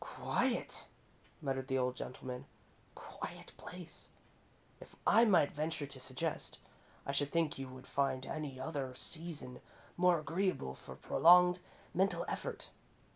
"Quiet!" muttered the old gentleman, "quiet place! If I might venture to suggest, I should think you would find any other season more agreeable for prolonged mental effort.